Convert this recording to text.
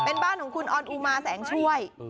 เป็นบ้านของคุณออนอุมาแสงช่วย